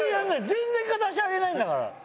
全然片足上げないんだから。